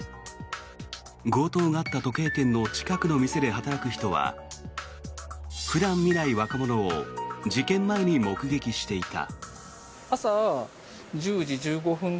強盗があった時計店の近くの店で働く人は普段見ない若者を事件前に目撃していた。